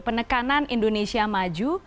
penekanan indonesia maju